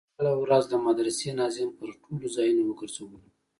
په اوله ورځ د مدرسې ناظم پر ټولو ځايونو وگرځولو.